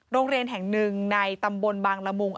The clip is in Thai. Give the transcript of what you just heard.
โรงเรียนแห่ง๑ในตำบลบังลมุง